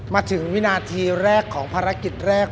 มาถึงวินาทีแรกของภารกิจแรก